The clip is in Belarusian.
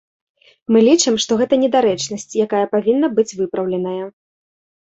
Мы лічым, што гэта недарэчнасць, якая павінна быць выпраўленая.